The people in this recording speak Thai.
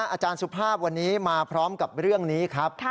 อาจารย์สุภาพวันนี้มาพร้อมกับเรื่องนี้ครับ